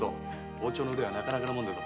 包丁の腕はなかなかのもんだぞ。